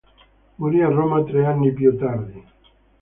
Morì a Roma tre anni più tardi.